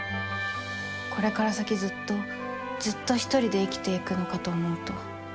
これから先ずっとずっとひとりで生きていくのかと思うと。